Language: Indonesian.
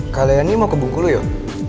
kalian ini mau ke bungkulu yuk